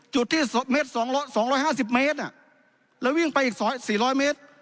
จุดที่๒๕๐เมตรแล้ววิ่งไปอีก๔๐๐เมตร